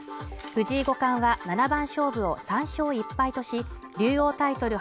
藤井五冠は７番勝負を３勝１敗とし竜王タイトル